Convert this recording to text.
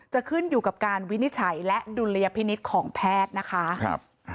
จะขึ้นอยู่กับการวินิจฉัยและดุลยพินิษฐ์ของแพทย์นะคะ